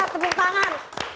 oke tepung tangan